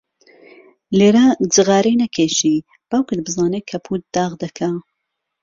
لێرە جغارەی نەکێشی، باوکت بزانێ کەپووت داغ دەکا.